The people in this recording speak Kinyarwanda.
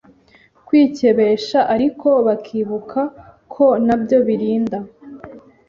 kwikebesha ariko bakibuka ko nabyo birinda